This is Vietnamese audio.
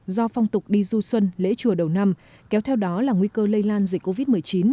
do phong tục đi du xuân lễ chùa đầu năm kéo theo đó là nguy cơ lây lan dịch covid một mươi chín